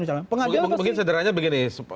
mungkin sederhananya begini